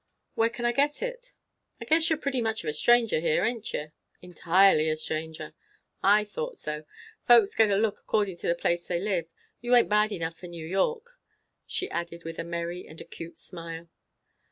"Where can I get it?" "I guess you're pretty much of a stranger here, aint you?" "Entirely a stranger." "I thought so. Folks get a look according to the place they live. You aint bad enough for New York," she added with a merry and acute smile.